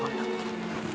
kancing sunan purnam